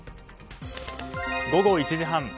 午後１時半。